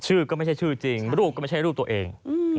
ก็ไม่ใช่ชื่อจริงรูปก็ไม่ใช่รูปตัวเอง